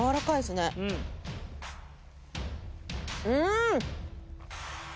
うん！